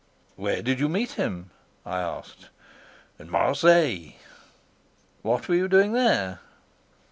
"Where did you meet him?" I asked. "In Marseilles." "What were you doing there?"